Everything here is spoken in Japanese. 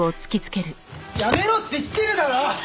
やめろって言ってるだろ！